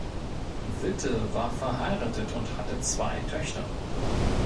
Witte war verheiratet und hatte zwei Töchter.